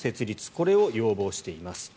これを要望しています。